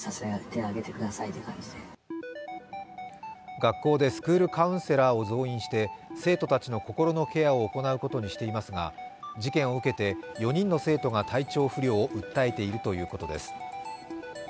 学校でスクールカウンセラーを増員して生徒たちの心のケアを行うことにしていますが事件を受けて、４人の生徒が体調不良を訴えているということです。